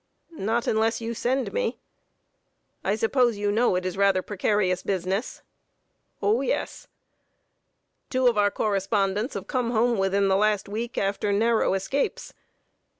"Not unless you send me." "I suppose you know it is rather precarious business?" "O, yes." "Two of our correspondents have come home within the last week, after narrow escapes.